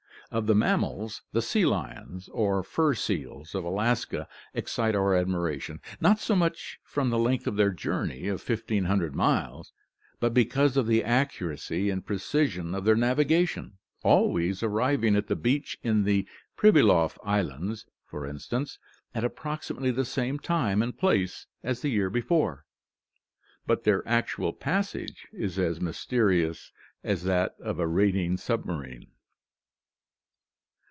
Of the mammals, the sea lions or fur seals of Alaska excite our admiration, not so much from the length of their journey of 1500 GEOGRAPHIC DISTRIBUTION 6s miles but because of the accuracy and precision of their navigation, always arriving at the beach in the Pribilof Islands, for instance, at approximately the same time and place as the year before; but their actual passage is as mysterious as that of a raiding submarine.